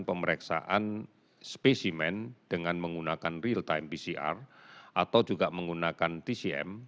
pemeriksaan spesimen dengan menggunakan real time pcr atau juga menggunakan tcm